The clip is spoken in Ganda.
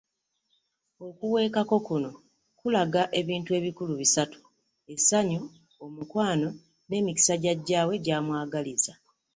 Okuweekako kuno kulaga ebintu ebikulu bisatu; Essanyu, omukwano, n’emikisa jjajja we gy’amwagaliza.